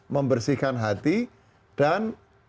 membersihkan hati dan